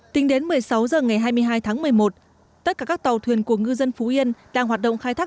tính đến một mươi sáu h ngày hai mươi hai tháng một mươi một tất cả các tàu thuyền của ngư dân phú yên đang hoạt động khai thác